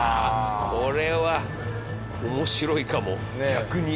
これは面白いかも逆に。